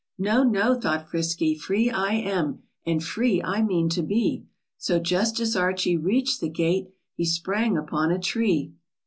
"No, no,' r thought Frisky, "free /> I am , And free I mean to be !" So, just as Archie reach'd the gate, He sprang upon a tree.